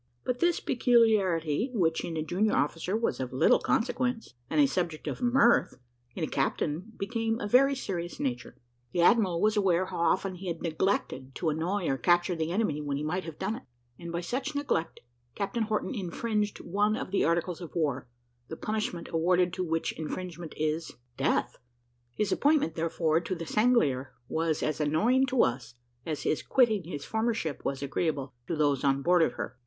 But this peculiarity, which in a junior officer was of little consequence, and a subject of mirth, in a captain became of a very serious nature. The admiral was aware how often he had neglected to annoy or capture the enemy when he might have done it; and by such neglect, Captain Horton infringed one of the articles of war, the punishment awarded to which infringement is death. His appointment, therefore, to the Sanglier was as annoying to us, as his quitting his former ship was agreeable to those on board of her.